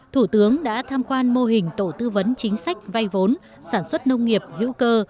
thủ tướng đã tham quan mô hình tổ tư vấn chính sách vay vốn sản xuất nông nghiệp hữu cơ